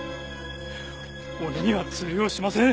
俺には通用しません